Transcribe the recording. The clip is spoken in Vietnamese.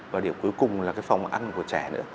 và điểm cuối cùng là cái phòng ăn của trẻ nữa